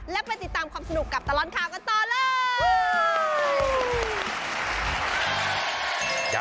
และไปติดตามสนุกกับตลอดค้าต่อเลย